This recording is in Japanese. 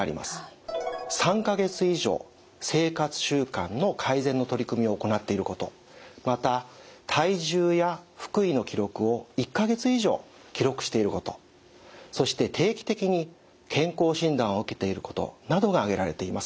３か月以上生活習慣の改善の取り組みを行っていることまた体重や腹囲の記録を１か月以上記録していることそして定期的に健康診断を受けていることなどが挙げられています。